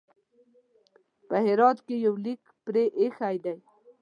په هرات کې یو لیک پرې ایښی دی.